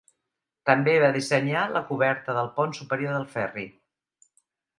També va dissenyar la coberta del Pont Superior del Ferri.